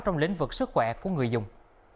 trong lĩnh vực sức khỏe của người dùng